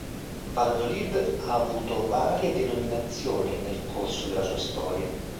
Valladolid ha avuto varie denominazioni nel corso della sua storia.